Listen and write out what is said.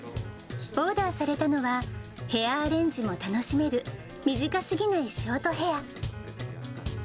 オーダーされたのは、ヘアアレンジも楽しめる短すぎないショートヘア。